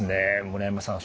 村山さん